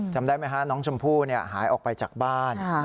จำได้ไหมฮะน้องชมพู่หายออกไปจากบ้าน